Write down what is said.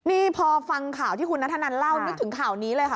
นี่พอฟังข่าวที่คุณนัทธนันเล่านึกถึงข่าวนี้เลยค่ะ